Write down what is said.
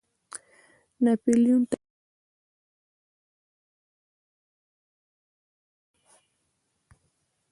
د ناپلیون تر نهايي ماتې وروسته سیاسي حقونه محدود شول.